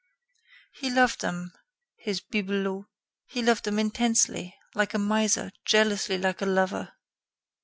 He loved them his bibelots. He loved them intensely, like a miser; jealously, like a lover.